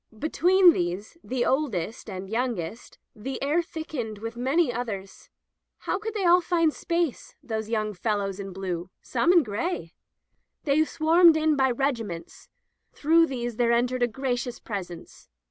Between these, the oldest and youngest, the air thickened with many others. How could they all find space — those Digitized by LjOOQ IC At Ephesus young fellows in blue — some in gray! They swarmed in by regiments. Through these there entered a gracious presence.